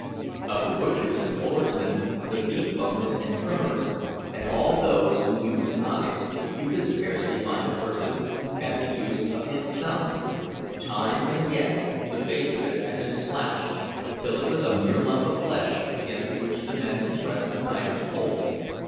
Of the butchers and floorsmen, the beef boners and trimmers, and all those who used knives, you could scarcely find a person who had the use of his thumb; time and time again the base of it had been slashed, till it was a mere lump of flesh against which the man pressed the knife to hold it.